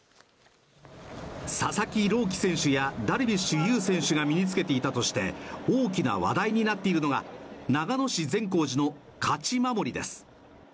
佐々木朗希選手やダルビッシュ有選手が身に着けていたとして大きな話題になっているのが長野市善光寺の勝守です。